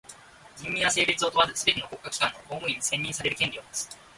人民は性別を問わずすべての国家機関の公務員に選任される権利をもつ。